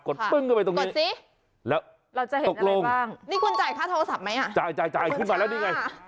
กดปึ้งเข้าไปตรงนี้แล้วตกลงนี่คุณจ่ายค่าโทรศัพท์ไหมจ่ายขึ้นมาแล้วนี่ไง